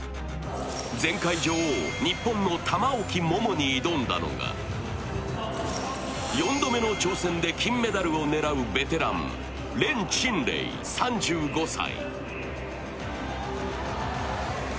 前回女王、日本の玉置桃に挑んだのが４度目の挑戦で金メダルを狙うベテラン・連珍羚、３５歳。